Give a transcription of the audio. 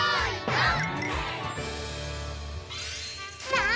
さあ